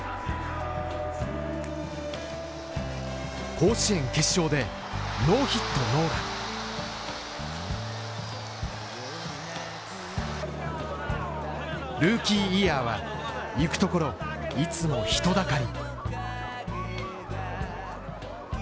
甲子園決勝でノーヒットノーランルーキーイヤーは行くところいつも人だかり。